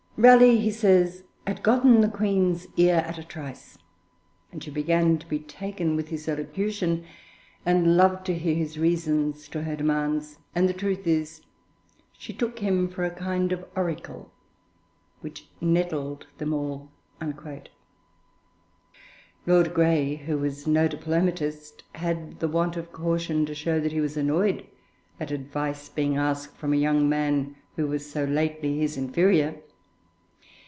'Raleigh,' he says, 'had gotten the Queen's ear at a trice; and she began to be taken with his elocution, and loved to hear his reasons to her demands; and the truth is, she took him for a kind of oracle, which nettled them all.' Lord Grey, who was no diplomatist, had the want of caution to show that he was annoyed at advice being asked from a young man who was so lately his inferior.